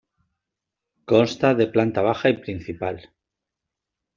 Consta de planta baja y principal.